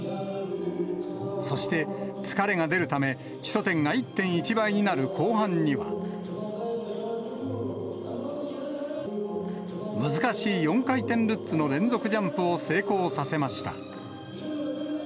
そして、疲れが出るため、基礎点が１．１倍になる後半には、難しい４回転ルッツの連続ジャンプを成功させました。